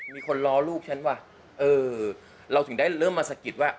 มีคนล้อลูกฉันว่ะเออเราถึงได้เริ่มมาสะกิดว่า